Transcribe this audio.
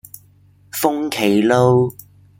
鳳麒路